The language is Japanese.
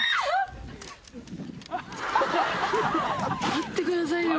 待ってくださいよ。